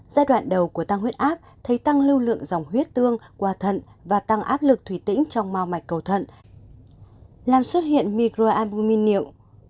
giai đoạn đầu của tăng huyết áp thấy tăng lưu lượng dòng huyết tương qua thận và tăng áp lực thủy tĩnh trong mau mạch cầu thận làm xuất hiện microabumin niệm